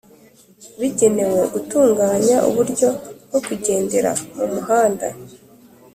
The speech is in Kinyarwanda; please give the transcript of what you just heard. bigenewe gutunganya uburyo bwo kugendera mu muhanda